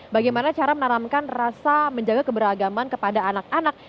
bagaimana cara menanamkan rasa menjaga keberagaman kepada anak anak